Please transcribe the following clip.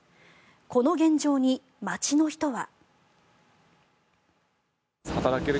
この現状に街の人は。